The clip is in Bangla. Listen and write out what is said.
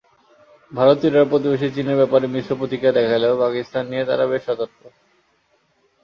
ভারতীয়রা প্রতিবেশী চীনের ব্যাপারে মিশ্র প্রতিক্রিয়া দেখালেও পাকিস্তান নিয়ে তারা বেশ সতর্ক।